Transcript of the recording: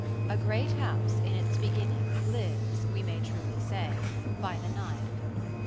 A great House in its beginning lives, we may truly say, by the knife.